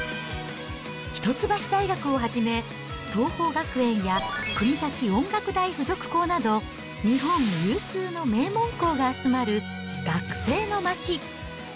一橋大学をはじめ、桐朋学園や国立音楽大附属校など、日本有数の名門校が集まる学生の街。